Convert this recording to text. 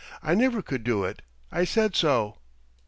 "I never could do it. I said so."